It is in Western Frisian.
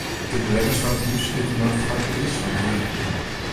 De bewenners fan it hús litte no foar it earst fan har hearre.